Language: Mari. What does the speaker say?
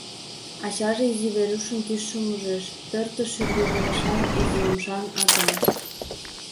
Ачаже изи Верушын тӱсшым ужеш: тыртыш шӱргывылышан, изи умшан аза.